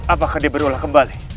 apakah dia berulang kembali